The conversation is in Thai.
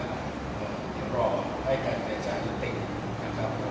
หรือว่าประสบสิทธิ์จะดีมากกว่าเดิน